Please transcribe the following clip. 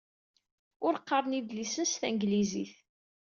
Ur qqaren idlisen s tanglizit.